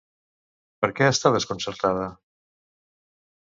Per què està desconcertada?